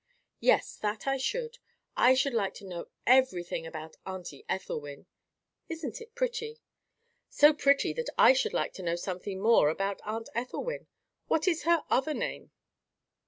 "Yes, that I should. I should like to know everything about auntie Ethelwyn. Isn't it pretty?" "So pretty that I should like to know something more about Aunt Ethelwyn. What is her other name?"